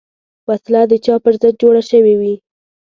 وسله د چا پر ضد جوړه شوې وي